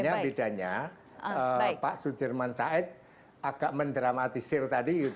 sebenarnya pak sudirman said agak mendramatisir tadi